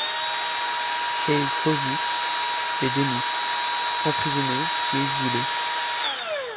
Kay Kâwus est démis, emprisonné puis exilé.